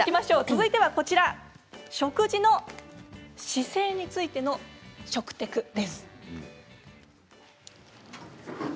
続いて食事の姿勢についての食テクです。